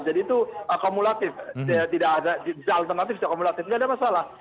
jadi itu akumulatif tidak ada masalah